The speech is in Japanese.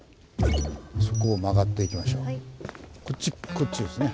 こっちですね。